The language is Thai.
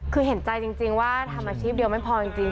คือเห็นใจจริงว่าทำอาชีพเดียวไม่พอจริง